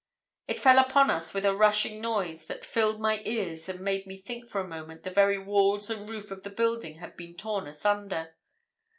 It fell upon us with a rushing noise that filled my ears and made me think for a moment the very walls and roof of the building had been torn asunder.